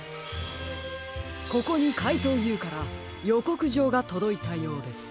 ここにかいとうＵからよこくじょうがとどいたようです。